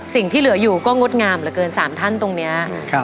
สิ่งที่เหลืออยู่ก็งดงามเหลือเกิน๓ท่านตรงนี้